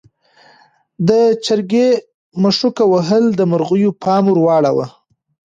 د چرګې مښوکه وهل د مرغیو پام ور واړاوه.